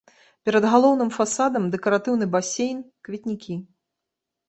Перад галоўным фасадам дэкаратыўны басейн, кветнікі.